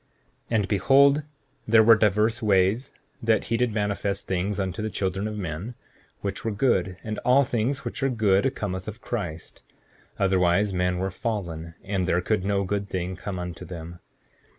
7:24 And behold, there were divers ways that he did manifest things unto the children of men, which were good; and all things which are good cometh of Christ; otherwise men were fallen, and there could no good thing come unto them.